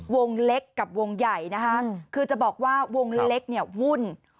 วงเล็กกับวงใหญ่นะคะคือจะบอกว่าวงเล็กเนี่ยวุ่น